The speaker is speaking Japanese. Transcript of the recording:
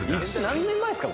何年前ですか？